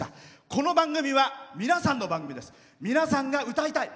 この番組は皆さんの番組は皆さんが歌いたい。